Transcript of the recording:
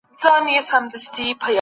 په سیالانو ګاونډیانو کي پاچا و